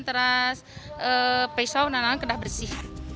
terus besok nangang nangang kedah bersih